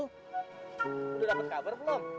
udah dapet kabar belum